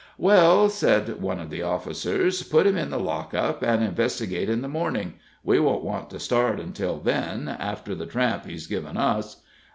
"Well," said one of the officers, "put him in the lock up' and investigate in the morning; we won't want to start until then, after the tramp he's given us.